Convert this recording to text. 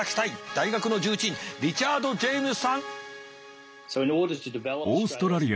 大学の重鎮リチャード・ジェームスさん！